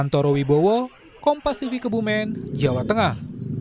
di jawa kompas tv kebumen jawa tengah